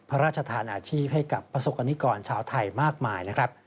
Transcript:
พระราชทานอาชีพให้กับประสบกรณิกรชาวไทยมากมายนะครับ